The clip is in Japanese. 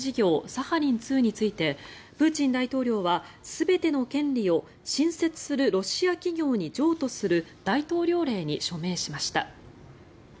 サハリン２についてプーチン大統領は、全ての権利を新設するロシア企業に譲渡する大統領令に署名しました。